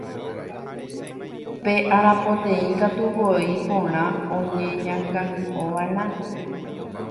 Pe arapoteĩ katu, voi porã oñeñakãky'ova'erã